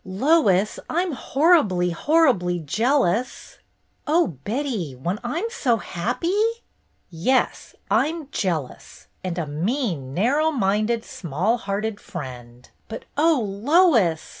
"Lois, I'm horribly, horribly jealous!" "Oh, Betty, when I'm so happy!" "Yes, I'm jealous, and a mean, narrow minded, small hearted friend — but oh, Lois